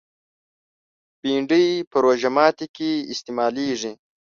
بېنډۍ په روژه ماتي کې استعمالېږي